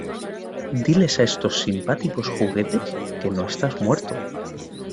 Diles a estos simpáticos juguetes que no estás muerto.